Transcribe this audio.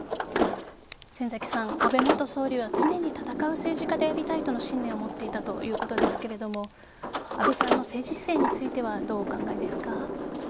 先崎さん、安倍元総理は常に戦う政治家でありたいとの信念を持っていたということですけども安倍さんの政治姿勢についてはどうお考えですか？